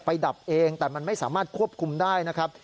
ดับเองแต่มันไม่สามารถควบคุมได้นะครับ